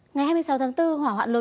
ngày hai mươi sáu tháng bốn hỏa hoạ lực